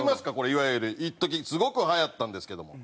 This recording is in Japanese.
いわゆるいっときすごくはやったんですけども。